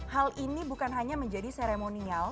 hal ini bukan hanya menjadi seremonial